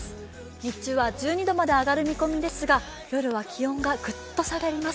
日中は１２度まで上がる見込みですが、夜は気温がグッと下がります。